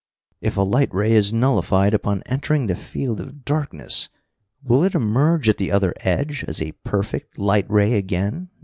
"If a light ray is nullified upon entering the field of darkness, will it emerge at the other edge as a perfect light ray again?"